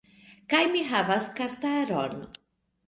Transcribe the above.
Kaj mi havas kartaron